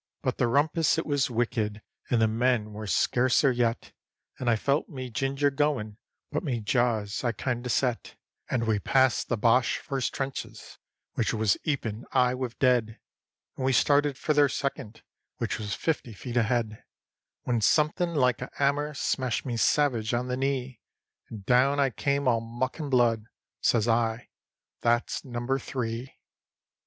But the rumpus it was wicked, and the men were scarcer yet, And I felt me ginger goin', but me jaws I kindo set, And we passed the Boche first trenches, which was 'eapin' 'igh with dead, And we started for their second, which was fifty feet ahead; When something like a 'ammer smashed me savage on the knee, And down I came all muck and blood: Says I: "That's number three."